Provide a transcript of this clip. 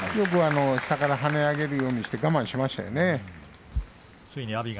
下から跳ね上げるようにして我慢しましたね。